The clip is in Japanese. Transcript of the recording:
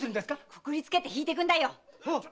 くくりつけて引いてく！